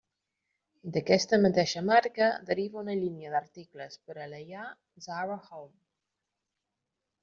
D'aquesta mateixa marca deriva una línia d'articles per a la llar Zara Home.